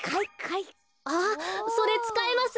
それつかえます。